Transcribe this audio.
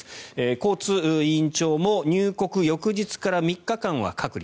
コーツ委員長も入国から３日間は隔離